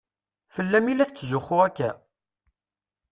Fell-am i la tetzuxxu akka?